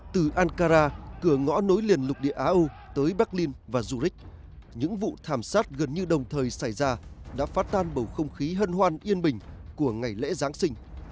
từ ankara cửa ngõ nối liền lục địa á âu tới berlin và zurich những vụ thảm sát gần như đồng thời xảy ra đã phát tan bầu không khí hân hoan yên bình của ngày lễ giáng sinh